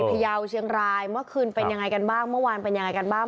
พยาวเชียงรายเมื่อคืนเป็นยังไงกันบ้างเมื่อวานเป็นยังไงกันบ้าง